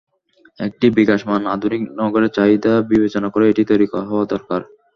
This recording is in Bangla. একটি বিকাশমান আধুনিক নগরের চাহিদা বিবেচনা করেই এটি তৈরি হওয়া দরকার।